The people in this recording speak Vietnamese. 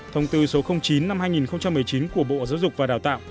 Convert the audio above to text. thông tư số chín năm hai nghìn một mươi chín của bộ giáo dục và đào tạo